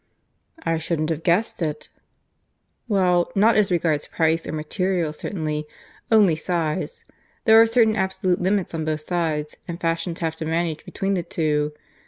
"I shouldn't have guessed it!" "Well, not as regards price or material, certainly only size. There are certain absolute limits on both sides; and fashions have to manage between the two.